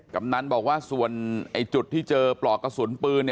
กำนันบอกว่าส่วนจุดที่เจอปลอกกระสุนปืน